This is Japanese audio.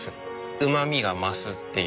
うまみが増すっていう。